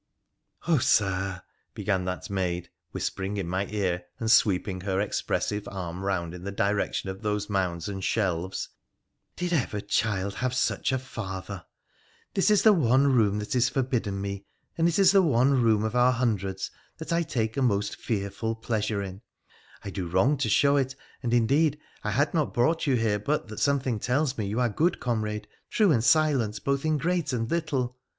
' Oh, Sir,' began that maid, whispering in my ear and sweeping her expressive arm round in the direction of those mounds and shelves, ' did ever child have such a father 5 This is the one room that is forbidden me, and it is the one room of our hundreds that I take a most fearful pleasure in, I do wrong to show it, and, indeed, I had not brought you here but that something tells me you are good comrade, true and silent both in great and little.